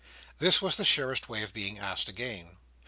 This was the surest way of being asked again.